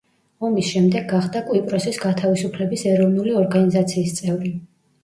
ომის შემდეგ გახდა კვიპროსის გათავისუფლების ეროვნული ორგანიზაციის წევრი.